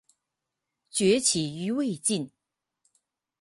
崛起于魏晋。